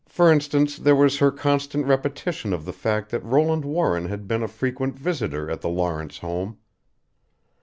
For instance there was her constant repetition of the fact that Roland Warren had been a frequent visitor at the Lawrence home.